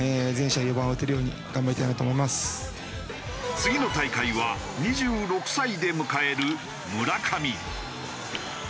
次の大会は２６歳で迎える村上。